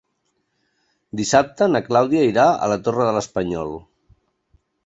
Dissabte na Clàudia irà a la Torre de l'Espanyol.